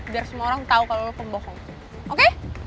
biar semua orang tau kalau lo pembohong oke